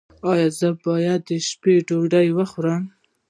ایا زه باید د شپې ډوډۍ وخورم؟